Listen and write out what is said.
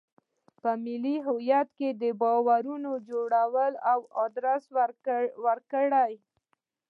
په ملي هویت د باورونو جوړولو ادرس ورکړي.